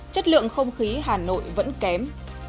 chất lượng không khí hà nội vẫn kém